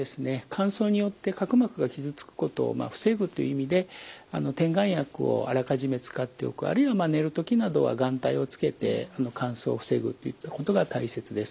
乾燥によって角膜が傷つくことを防ぐという意味で点眼薬をあらかじめ使っておくあるいは寝る時などは眼帯をつけて乾燥を防ぐといったことが大切です。